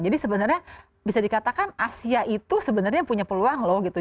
jadi sebenarnya bisa dikatakan asia itu sebenarnya punya peluang loh gitu